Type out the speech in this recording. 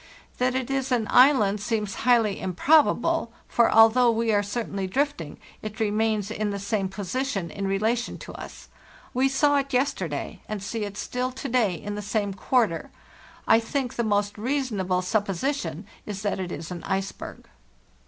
That it is an island seems highly improbable; for al though we are certainly drifting, it remains in the same position in relation to us. We saw it yesterday, and see it still to day in the same quarter. I think the most reasonable supposition is that it is an iceberg.